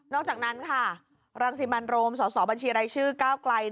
อกจากนั้นค่ะรังสิมันโรมสสบัญชีรายชื่อก้าวไกล